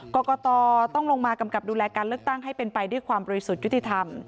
กรกตต้องลงมากำกับดูแลการเลือกตั้งให้เป็นไปด้วยความบริสุทธิ์ยุติธรรม